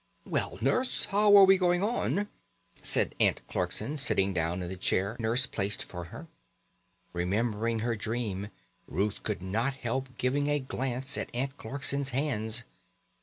"Well, Nurse, and how are we going on?" said Aunt Clarkson, sitting down in the chair Nurse placed for her. Remembering her dream, Ruth could not help giving a glance at Aunt Clarkson's hands.